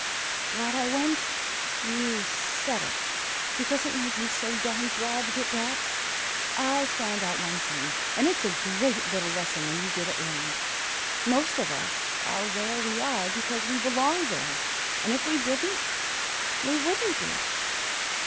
Glad I went? You said it. Because it made me so darned glad to get back. I've found out one thing, and it's a great little lesson when you get it learned. Most of us are where we are because we belong there, and if we didn't, we wouldn't be.